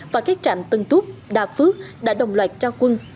và các trạm tân túc đà phước đã đồng loạt ra quân